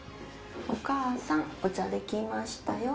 お母さん、お茶できましたよ。